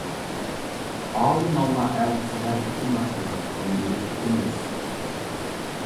ئاۋۇ نانلار ئەتە سەھەردىكى ناشتىلىق، ئۇنى ئېلىپ كېتىمىز.